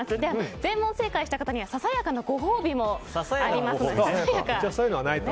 全問正解した方にはささやかなご褒美もあるので。